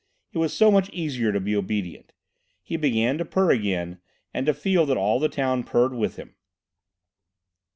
It was so much easier to be obedient. He began to purr again, and to feel that all the town purred with him.